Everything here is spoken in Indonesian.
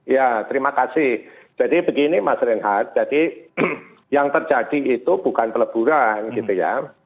ya terima kasih jadi begini mas reinhardt jadi yang terjadi itu bukan peleburan gitu ya